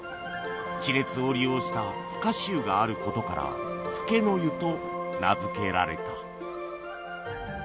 地熱を利用した蒸かし湯があることから「ふけのゆ」と名付けられた